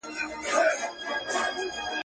شالمار ته به راغلي، طوطیان وي، او زه به نه یم.